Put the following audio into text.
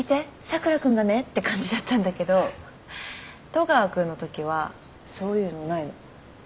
佐倉君がね！」って感じだったんだけど戸川君のときはそういうのないの。